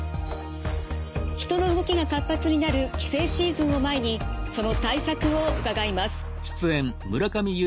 人の動きが活発になる帰省シーズンを前にその対策を伺います。